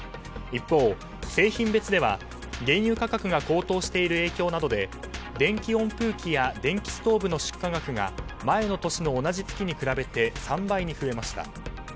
一方、製品別では原油価格が高騰している影響などで電気温風機や電気ストーブの出荷額が前の年の同じ月に比べて３倍に増えました。